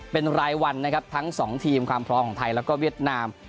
เป็นรายวันนะครับทั้งสองทีมความพร้อมของไทยแล้วก็เวียดนาม